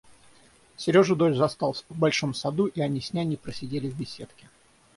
Сережу дождь застал в большом саду, и они с няней просидели в беседке.